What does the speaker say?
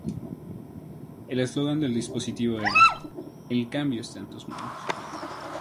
El eslogan del dispositivo era "El cambio está en tus manos".